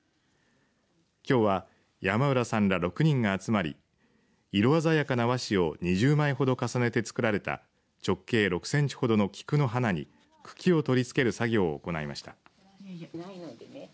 きょうは山浦さんら６人が集まり色鮮やかな和紙を２０枚ほど重ねて作られた直径６センチほどの菊の花に茎を取り付ける作業を行いました。